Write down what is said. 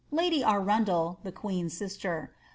Lady Arundel (the queen's sister).